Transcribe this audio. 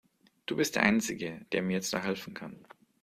Du bist der einzige, der mir jetzt noch helfen kann.